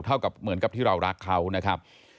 เท่าเหมือนกับที่เรารักเขานะครับ